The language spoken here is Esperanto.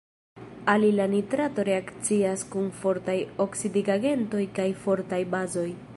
Alila nitrato reakcias kun fortaj oksidigagentoj kaj fortaj bazoj.